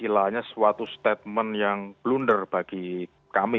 ini sebenarnya suatu statement yang blunder bagi kami